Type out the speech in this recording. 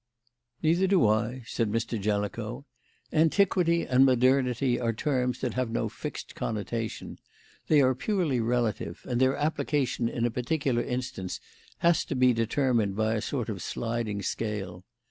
"Neither do I," said Mr. Jellicoe. "Antiquity and modernity are terms that have no fixed connotation. They are purely relative and their application in a particular instance has to be determined by a sort of sliding scale.